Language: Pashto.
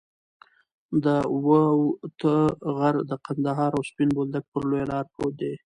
د وط غر د قندهار او سپین بولدک پر لویه لار پروت دی.